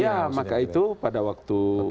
iya maka itu pada waktu